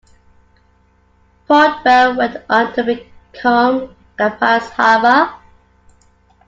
Port Bell went on to become Kampala's harbour.